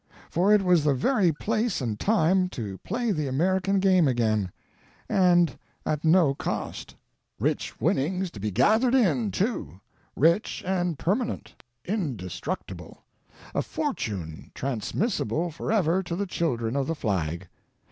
For it was the very place and time to play the American game again. And at no cost. Rich winnings to be 170 THE NORTH AMERICAN REVIEW. gathered in, too; rich and permanent; indestructible; a fortune transmissible forever to the children of the flag.